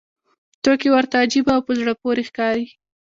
توکي ورته عجیبه او په زړه پورې ښکاري